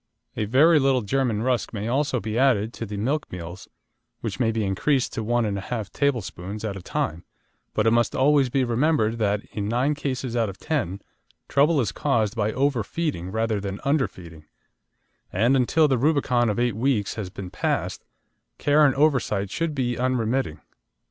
A very little German rusk may also be added to the milk meals, which may be increased to one and a half tablespoonfuls at a time, but it must always be remembered that, in nine cases out of ten, trouble is caused by overfeeding rather than underfeeding, and until the rubicon of eight weeks has been passed, care and oversight should be unremitting.